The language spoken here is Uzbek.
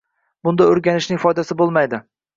Bunda o’rganishning foydasi bo’lmaydi.